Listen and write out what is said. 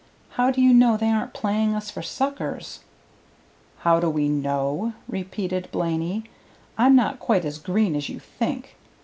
How do you know they aren't playing us for suckers?" "How do we know?" repeated Blaney. "I'm not quite as green as you think.